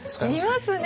見ますね。